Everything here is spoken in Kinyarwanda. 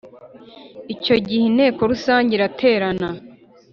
Icyo gihe Inteko Rusange iraterana